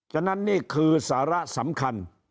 ฉะนั้นนี่คือสาระสำคัญ